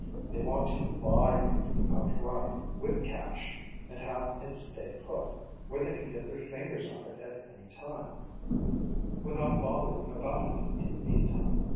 They want to buy beauty, outright, with cash, and have it stay put, where they can get their fingers on it at any time, without bothering about it in the meantime.